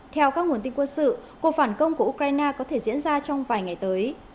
theo các nguồn tin quân sự cuộc phản công của ukraine có thể diễn ra trong vài ngày tới